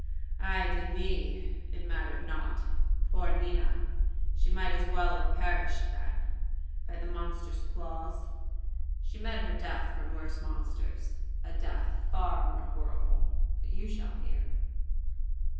Ay de mi! It mattered not. Poor nina! She might as well have perished then, by the monster's claws. She met her death from worse monsters a death far more horrible; but you shall hear."